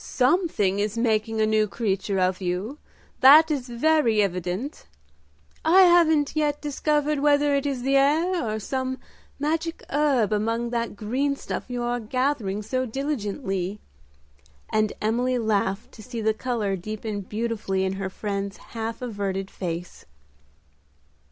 "Something is making a new creature of you, that is very evident. I haven't yet discovered whether it is the air or some magic herb among that green stuff you are gathering so diligently;" and Emily laughed to see the color deepen beautifully in her friend's half averted face.